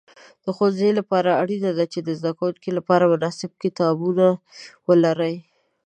د ښوونځي لپاره اړینه ده چې د زده کوونکو لپاره مناسب کتابونه ولري.